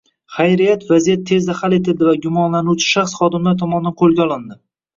Hayriyat vaziyat tezda hal etildi va gumonlanuvchi shaxs xodimlar tomonidan qoʻlga olindi.